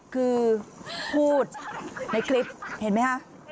คือพูดในคลิปเห็นไหมคะ